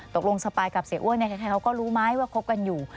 สปายกับเสียอ้วนใครเขาก็รู้ไหมว่าคบกันอยู่